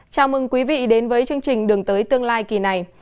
chào mừng quý vị đến với chương trình đường tới tương lai kỳ này